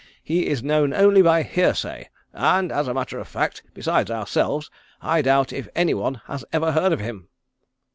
He is known only by hearsay, and as a matter of fact, besides ourselves, I doubt if any one has ever heard of him."